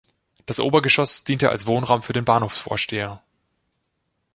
Das Obergeschoss diente als Wohnraum für den Bahnhofsvorsteher.